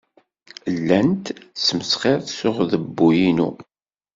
Llant smesxirent s uɣdebbu-inu.